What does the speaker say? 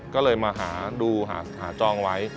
ก็เลยมาหาดูหาจองไว้